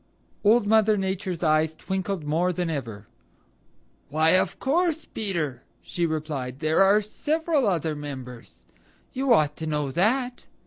Old Mother Nature's eyes twinkled more than ever. "Why, of course, Peter," she replied. "There are several other members. You ought to know that.